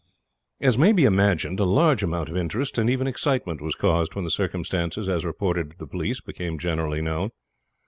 As may be imagined, a large amount of interest, and even excitement, was caused when the circumstances, as reported to the police, became generally known.